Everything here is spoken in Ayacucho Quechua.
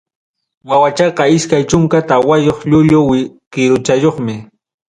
Wawachaqa iskay chunka tawayuq llullu kiruchaqyumi.